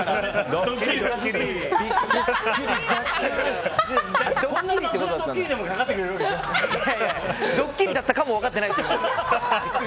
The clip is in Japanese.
ドッキリだったかも分かってないですけどね。